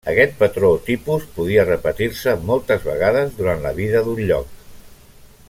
Aquest patró o tipus podia repetir-se moltes vegades durant la vida d'un lloc.